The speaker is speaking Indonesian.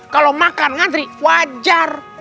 kalau makan ngantri wajar